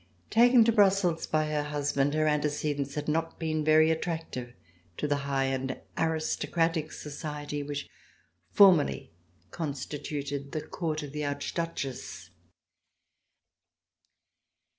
Taken to Brussels by her husband, her antecedents had not been very attractive to the high and aristocratic society which formerly constituted the Court of the Archduchess.